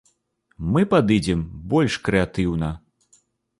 Мы падыдзем больш крэатыўна.